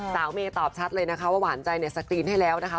เมย์ตอบชัดเลยนะคะว่าหวานใจเนี่ยสกรีนให้แล้วนะคะ